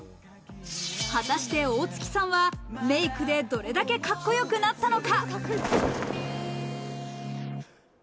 果たして大槻さんはメイクでどれだけカッコよくなったのか？